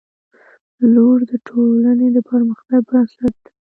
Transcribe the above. • لور د ټولنې د پرمختګ بنسټ ده.